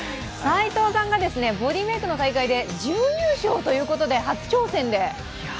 齋藤さんがボディーメークの大会で準優勝ということで初挑戦で！